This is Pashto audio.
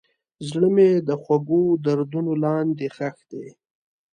زړه مې د خوږو دردونو لاندې ښخ دی.